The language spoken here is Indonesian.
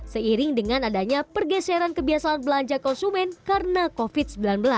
seiring dengan adanya pergeseran kebiasaan belanja konsumen karena covid sembilan belas